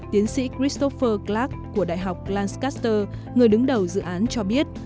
tiến sĩ christopher clark của đại học planskaster người đứng đầu dự án cho biết